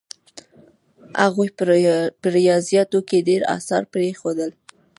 هغوی په ریاضیاتو کې ډېر اثار پرېښودل.